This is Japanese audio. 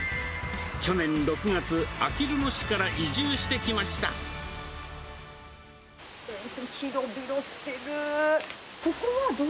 去年６月、あきる野市から移住し広々してる。